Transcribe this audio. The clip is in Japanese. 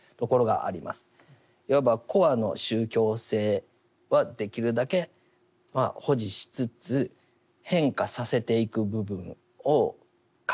いわばコアの宗教性はできるだけ保持しつつ変化させていく部分を変えていくというところですよね。